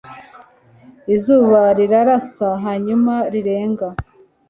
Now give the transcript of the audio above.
izuba rirarasa hanyuma rirenga